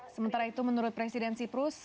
sementara itu menurut presiden cyprus